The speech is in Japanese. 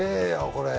これ！